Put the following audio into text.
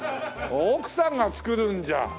奥さんが作るんじゃ。